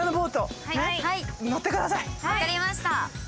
分かりました。